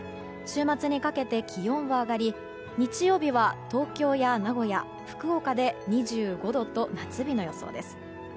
週末にかけて気温が上がり日曜日は東京や名古屋福岡で２５度と夏日の予想です。